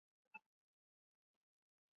钟吾被并入吴国。